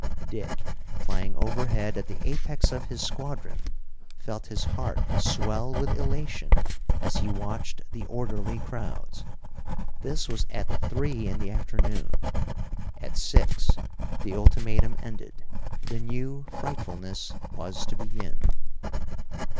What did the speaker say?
Dick, flying overhead at the apex of his squadron, felt his heart swell with elation as he watched the orderly crowds. This was at three in the afternoon: at six the ultimatum ended, the new frightfulness was to begin.